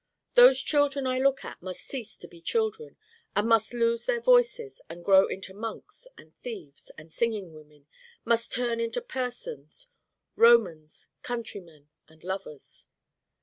Those children I look at must cease to be children, and must lose their Voices and grow into monks and thieves and singing women must turn into persons 'Romans, countrymen and lovers.